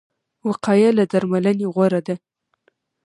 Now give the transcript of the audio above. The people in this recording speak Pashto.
وقایه له درملنې غوره ده